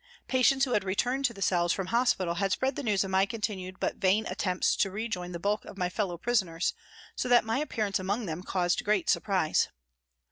Patients who had returned to the cells from hospital had spread the news of my continued but vain attempts to rejoin the bulk of my fellow prisoners, so that my appearance among them caused great surprise.